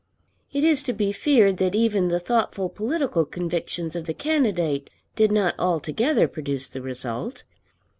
It is to be feared that even the thoughtful political convictions of the candidate did not altogether produce the result.